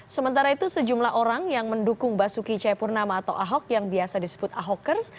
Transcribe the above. sementara itu sejumlah orang yang mendukung basuki cayapurnama atau ahok yang biasa disebut ahokers